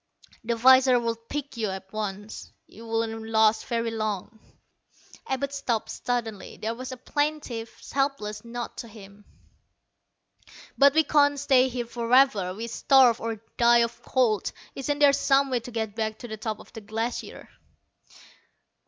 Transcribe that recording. "The visors would pick you up at once. You wouldn't last very long." Abud stopped suddenly. There was a plaintive, helpless note to him. "But we can't stay here forever. We'd starve, or die of cold. Isn't there some way to get back to the top of the Glacier?"